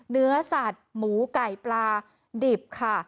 เนื้อสัตว์หมูไก่ปลาดิบค่ะ